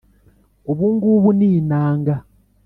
Ubu ngubu ninanga